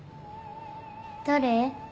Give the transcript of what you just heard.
誰？